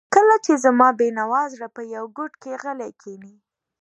کله چې زما بېنوا زړه په یوه ګوټ کې غلی کښیني.